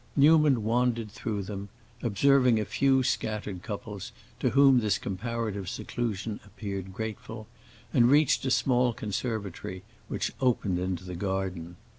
Newman wandered through them, observing a few scattered couples to whom this comparative seclusion appeared grateful and reached a small conservatory which opened into the garden.